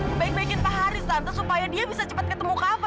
jadi dia pasti mau baik baikin pak haris tante supaya dia bisa cepat ketemu kamila